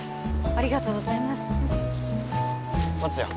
ありがとうございます持つよ